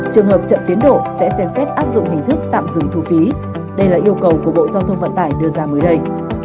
trường hợp chậm tiến độ sẽ xem xét áp dụng hình thức tạm dừng thu phí đây là yêu cầu của bộ giao thông vận tải đưa ra mới đây